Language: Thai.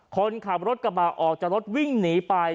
คนขับรถกระบะออกจากรถวิ่งหนีไป